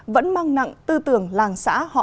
vẫn mang nặng tư tưởng làng xã họ mạc